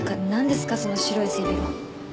その白い背広。